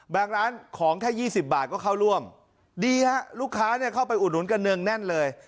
ร้านของแค่๒๐บาทก็เข้าร่วมดีฮะลูกค้าเข้าไปอุดหนุนกันเนืองแน่นเลย